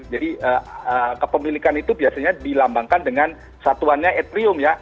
jadi kepemilikan itu biasanya dilambangkan dengan satuannya ethereum ya